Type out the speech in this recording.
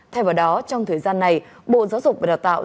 thay vào đó trong thời gian này bộ giáo dục và đào tạo